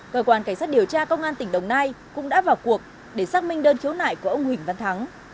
cơ quan cảnh sát điều tra công an tỉnh đồng nai cũng đã vào cuộc để xác minh đơn khiếu nại của ông huỳnh văn thắng